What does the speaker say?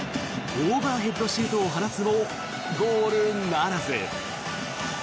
オーバーヘッドシュートを放つも、ゴールならず。